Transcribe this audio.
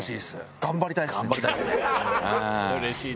頑張りたいですね。